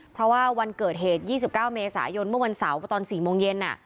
เพราะว่าวันเกิดเหตุ๒๙เมษายนเมื่อวันเสาร์ตอน๔โมงเย็น